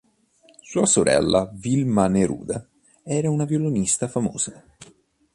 Sua sorella Wilma Neruda era una violinista famosa.